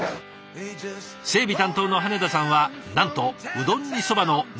整備担当の羽田さんはなんとうどんにそばのダブル麺！？